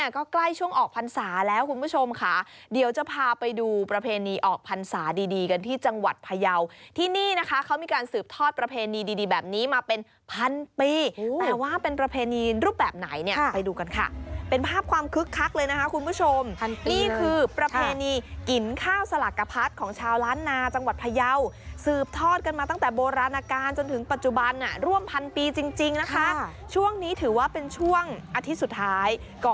ก็ใกล้ช่วงออกพันศาแล้วคุณผู้ชมค่ะเดี๋ยวจะพาไปดูประเพณีออกพันศาดีกันที่จังหวัดพยาวที่นี่นะคะเขามีการสืบทอดประเพณีดีแบบนี้มาเป็นพันปีแต่ว่าเป็นประเพณีรูปแบบไหนเนี่ยไปดูกันค่ะเป็นภาพความคึกคักเลยนะคะคุณผู้ชมนี่คือประเพณีกินข้าวสลักกะพัดของชาวล้านนาจังหวัดพยาวสืบ